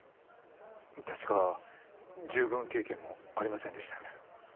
確か従軍経験もありませんでしたよね。